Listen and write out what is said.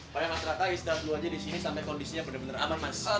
paya mas raka isterah dulu aja disini sampai kondisinya bener bener aman mas